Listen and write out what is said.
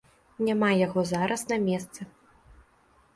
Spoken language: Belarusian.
Няма яго зараз на месцы.